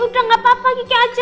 udah gak apa apa gitu aja